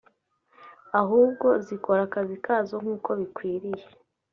ahubwo zikora akazi kazo nk’uko bikwiriye